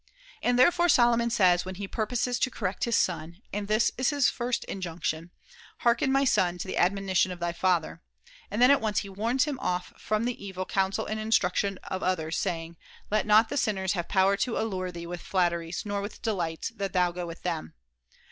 And therefore Solomon (^140^ says when he purposes to correct his son (and this is his first injunction) : 'Hearken, my son, to the admonition of thy father,' and then at once he warns him off from the evil counsel and instruction of others, saying : 'Let not the sinners have power to allure thee with flatteries nor with delights, that thou go with them.'